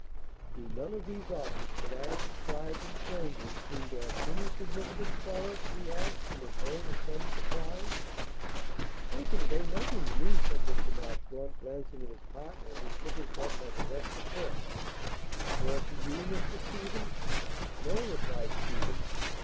"Do none of these objects that I have described and shown you, seem to have any significance for us?" he asked, in a tone of some surprise. "They convey nothing to me," said Mr. Marchmont, glancing at his partner, who shook his head like a restive horse. "Nor to you, Mr. Stephen?" "No," replied Stephen.